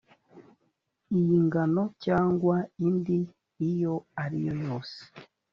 iy ingano cyangwa indi iyo ari yo yose